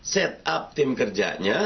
set up tim kerjanya